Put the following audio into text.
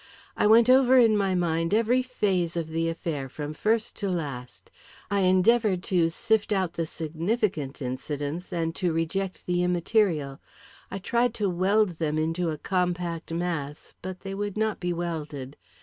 I went over in my mind every phase of the affair from first to last; I endeavoured to sift out the significant incidents, and to reject the immaterial; I tried to weld them into a compact mass, but they would not be welded.